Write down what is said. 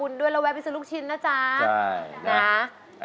รู้สึกว่าชื่อนี้จะเหมาะสมจริงแหละ